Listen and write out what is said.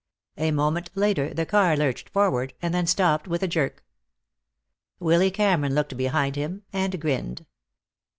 A moment later the car lurched forward, and then stopped with a jerk. Willy Cameron looked behind him and grinned.